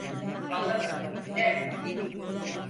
Anlamadım, ne?